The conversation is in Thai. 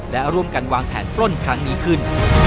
และร่วมกันวางแผนปล้นครั้งนี้ขึ้น